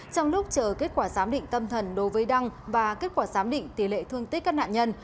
trong lúc chờ kết quả giám định tâm thần đối với đăng và kết quả giám định tỷ lệ thương tích các nạn nhân